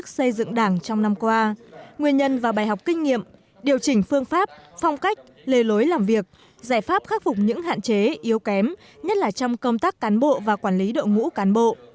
xây dựng đảng trong năm qua nguyên nhân và bài học kinh nghiệm điều chỉnh phương pháp phong cách lề lối làm việc giải pháp khắc phục những hạn chế yếu kém nhất là trong công tác cán bộ và quản lý đội ngũ cán bộ